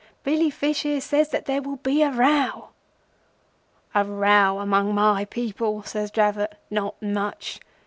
'Billy Fish here says that there will be a row.' "'A row among my people!' says Dravot. 'Not much.